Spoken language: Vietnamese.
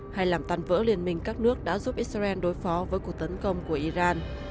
hay làm tàn vỡ liên minh các nước đã giúp israel đối phó với cuộc tấn công của iran